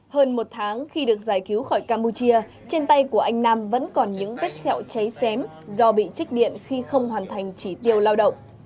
hơn một tháng khi được giải cứu khỏi campuchia trên tay của anh nam vẫn còn những vết sẹo cháy xém do bị trích điện khi không hoàn thành chỉ tiêu lao động